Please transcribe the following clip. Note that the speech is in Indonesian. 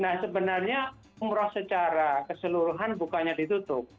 nah sebenarnya umrah secara keseluruhan bukanya ditutup